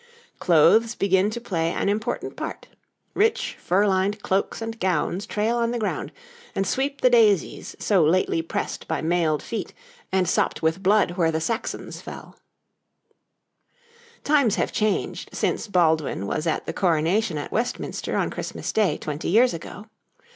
Clothes begin to play an important part. Rich fur lined cloaks and gowns trail on the ground, and sweep the daisies so lately pressed by mailed feet and sopped with blood where the Saxons fell. [Illustration: The Cloak pushed through a Ring.] Times have changed since Baldwin was at the coronation at Westminster on Christmas Day twenty years ago.